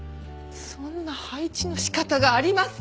そんな配置の仕方がありますか！